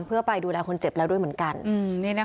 เพื่อไปดูแลคนเจ็บแล้วด้วยเหมือนกัน